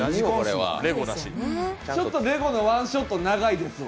ちょっとレゴのワンショット長いですわ。